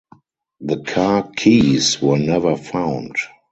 The car keys were never found.